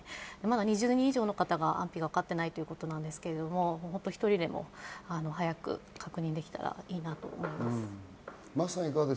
２０人以上の方が安否が分かっていないということですけれど１人でも早く確認できたらいいなと思います。